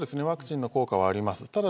ワクチンの効果はあります。